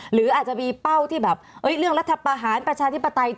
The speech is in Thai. หรืออาจจะมีเป้าที่แบบเรื่องรัฐประหารประชาธิปไตย